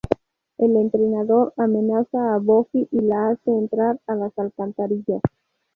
El entrenador amenaza a Buffy y la hace entrar a las alcantarillas.